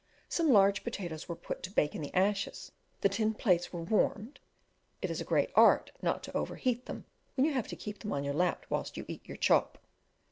Some large potatoes were put to bake in the ashes; the tin plates were warmed (it is a great art not to overheat them when you have to keep them on your lap whilst you eat your chop).